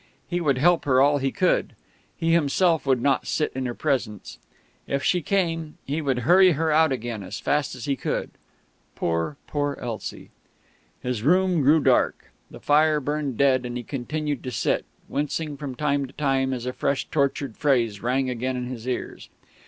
He would help her all he could. He himself would not sit in her presence. If she came, he would hurry her out again as fast as he could.... Poor, poor Elsie! His room grew dark; the fire burned dead; and he continued to sit, wincing from time to time as a fresh tortured phrase rang again in his ears.